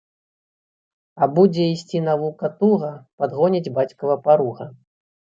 А будзе йсці навука туга, падгоніць бацькава паруга!